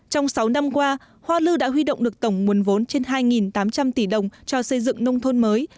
trong sáu năm qua hoa lư đã huy động được tổng nguồn vốn trên hai tám trăm linh tỷ đồng cho xây dựng nông thôn mới